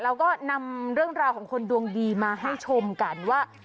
เราก็นำเรื่องราวของคนดวงดีมาให้ชมกันว่า